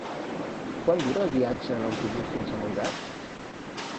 Quant dura el viatge en autobús fins a Montgat?